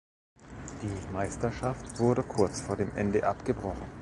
Die Meisterschaft wurde kurz vor dem Ende abgebrochen.